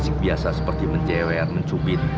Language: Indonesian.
udah pulang ya ampun